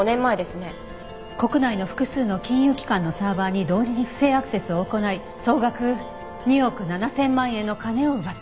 「国内の複数の金融機関のサーバーに同時に不正アクセスを行い総額２億７千万円の金を奪った」